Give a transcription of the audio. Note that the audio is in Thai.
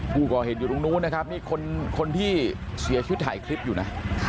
ผู้ก่อเหตุอยู่ตรงนู้นนะครับนี่คนที่เสียชีวิตถ่ายคลิปอยู่นะ